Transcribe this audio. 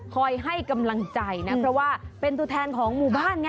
ให้กำลังใจนะเพราะว่าเป็นตัวแทนของหมู่บ้านไง